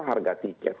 berapa harga tiket